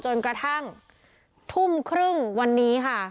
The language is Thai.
จนกระทั่งทุ่มครึ่งวันนี้ค่ะ